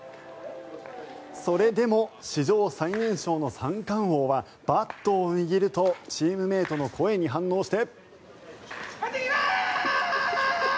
それでも史上最年少の三冠王はバットを握るとチームメートの声に反応して。